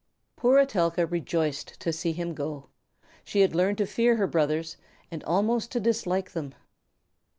Poor Etelka rejoiced to see him go. She had learned to fear her brothers and almost to dislike them.